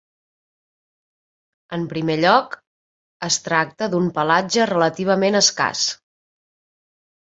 En primer lloc es tracta d'un pelatge relativament escàs.